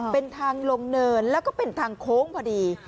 เป็นทางลงเนินแล้วก็เป็นทางโค้งพอดี